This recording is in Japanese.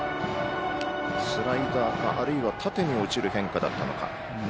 スライダーかあるいは縦に落ちる変化だったのか。